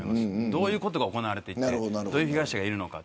どういうことが行われていてどういう被害者がいるのか。